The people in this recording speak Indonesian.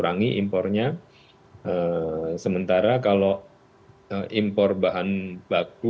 jadi singkong dan tebu bisa juga untuk etanol